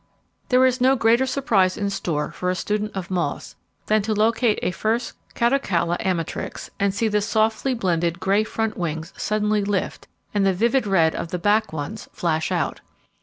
There is no greater surprise in store for a student of moths than to locate a first Catocala Amatrix, and see the softly blended grey front wings suddenly lift, and the vivid red of the back ones flash out.